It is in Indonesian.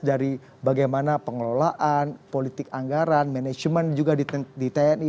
dari bagaimana pengelolaan politik anggaran manajemen juga di tni